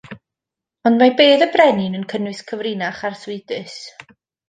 Ond mae bedd y brenin yn cynnwys cyfrinach arswydus.